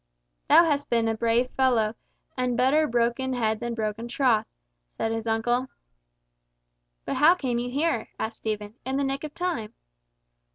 "Thou hast been a brave fellow, and better broken head than broken troth," said his uncle. "But how came you here," asked Stephen. "In the nick of time?"